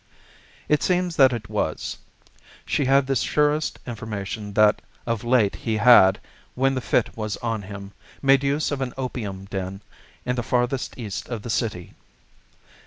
It seems that it was. She had the surest information that of late he had, when the fit was on him, made use of an opium den in the farthest east of the City.